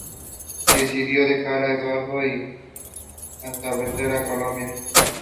It is part of the Huon Valley Council.